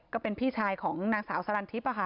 ก็เป็นพี่ชายของนางสาวสลันทิพย์เปล่าค่ะ